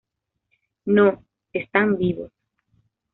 No, ¡están vivos!